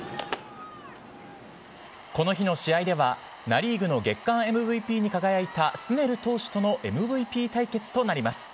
この日の試合では、ナ・リーグの月間ＭＶＰに輝いたスネル投手とのＭＶＰ対決となります。